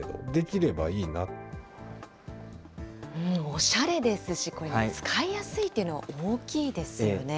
おしゃれですし、これ、使いやすいというの大きいですよね。